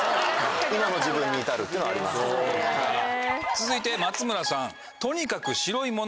続いて松村さん。